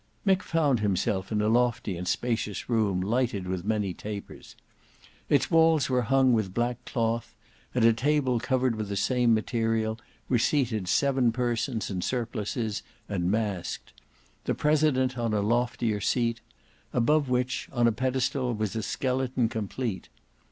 Mick found himself in a lofty and spacious room lighted with many tapers. Its walls were hung with black cloth; at a table covered with the same material, were seated seven persons in surplices and masked, the president on a loftier seat; above which on a pedestal was a skeleton complete.